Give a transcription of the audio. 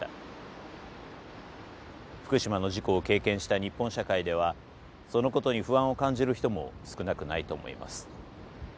福島の事故を経験した日本社会ではそのことに不安を感じる人も少なくないと思います。